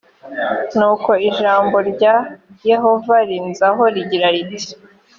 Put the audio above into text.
nuko ijambo rya yehova rinzaho rigira riti